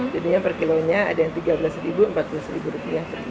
jadinya per kilonya ada yang rp tiga belas rp empat belas